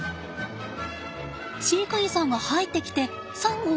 飼育員さんが入ってきてサンゴを外しました。